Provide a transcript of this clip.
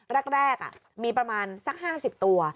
แรกมีประมาณสัก๕๐ตัว